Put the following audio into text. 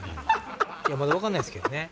まだ分かんないですけどね。